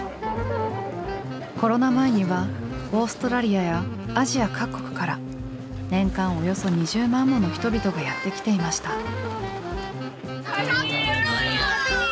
コロナ前にはオーストラリアやアジア各国から年間およそ２０万もの人々がやって来ていました。